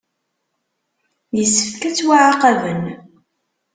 Yessefk ad ttwaɛaqben.